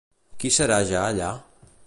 Qui serà ja allà?